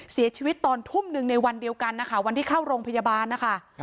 เสียชีวิตตอนทุ่มหนึ่งในวันเดียวกันนะคะวันที่เข้าโรงพยาบาลนะคะ